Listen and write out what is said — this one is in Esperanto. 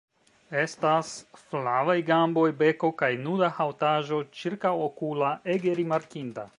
Estas flavaj gamboj, beko kaj nuda haŭtaĵo ĉirkaŭokula ege rimarkinda.